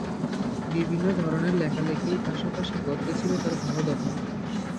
বিভিন্ন ধরনের লেখালেখি পাশাপাশি গদ্যে ছিল তার ভালো দখল।